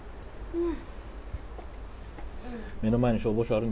うん。